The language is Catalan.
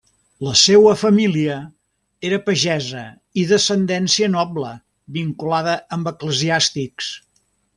La seua família era pagesa i d'ascendència noble vinculada amb eclesiàstics.